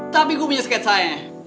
tapi gue punya sket saya